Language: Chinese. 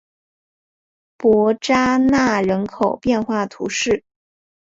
伯扎讷人口变化图示